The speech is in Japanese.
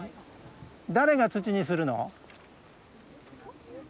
誰が土にするの？